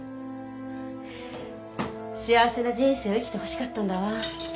幸せな人生を生きてほしかったんだわ。